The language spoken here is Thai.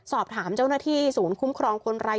สอบถามเจ้าหน้าที่ศูนย์คุ้มครองคนไร้